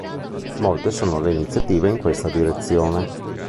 Molte sono le iniziative in questa direzione.